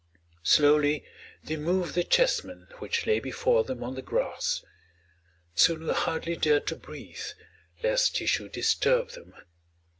Slowly they moved the chessmen which lay before them on the grass. Tsunu hardly dared to breathe, lest he should disturb them.